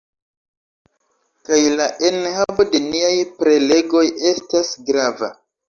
Kaj la enhavo de niaj prelegoj estas grava